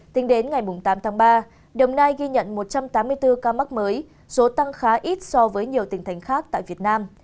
tính đến ngày tám tháng ba đồng nai ghi nhận một trăm tám mươi bốn ca mắc mới số tăng khá ít so với nhiều tỉnh thành khác tại việt nam